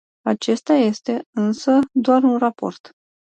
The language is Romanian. Acesta este, însă, doar un raport.